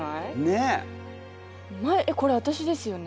えっこれ私ですよね？